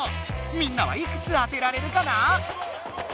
みんなはいくつ当てられるかな？